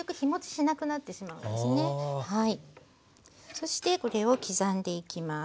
そしてこれを刻んでいきます。